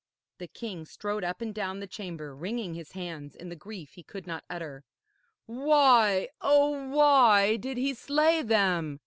The king strode up and down the chamber, wringing his hands in the grief he could not utter. 'Why, oh why, did he slay them?'